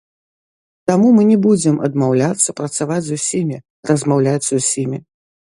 Таму мы не будзем адмаўляцца працаваць з усімі, размаўляць з усімі.